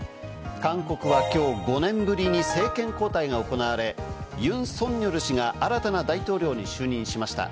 韓国は今日５年ぶりに政権交代が行われ、ユン・ソンニョル氏が新たな大統領に就任しました。